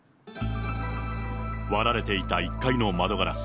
割られていた１階の窓ガラス。